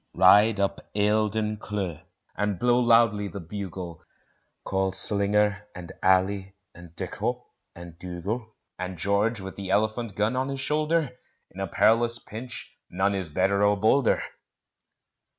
Ride up Eildon Cleugh, and blow loudly the bugle: Call Slinger and Allie and Dikkop and Dugal; And George with the Elephant gun on his shoulder In a perilous pinch none is better or bolder.